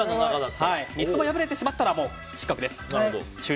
３つとも破れてしまったら失格です。